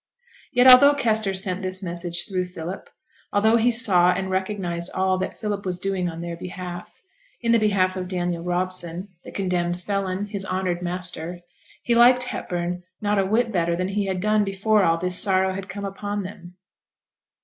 Yet although Kester sent this message through Philip although he saw and recognized all that Philip was doing in their behalf, in the behalf of Daniel Robson, the condemned felon, his honoured master he liked Hepburn not a whit better than he had done before all this sorrow had come upon them.